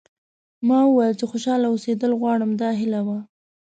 ما وویل چې خوشاله اوسېدل غواړم دا هیله وه.